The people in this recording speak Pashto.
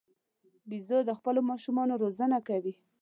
بیزو د خپلو ماشومانو روزنه کوي.